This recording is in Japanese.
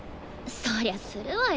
そりゃするわよ。